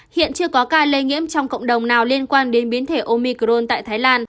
hiện chưa có ca lây nhiễm trong cộng đồng nào liên quan đến biến thể omicron tại thái lan